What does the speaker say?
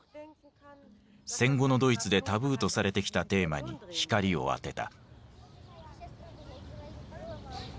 戦後のドイツでタブーとされてきたテーマに光を当てた。